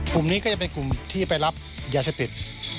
กลุ่มนี้ก็จะเป็นกลุ่มที่ไปรับยาเสพติด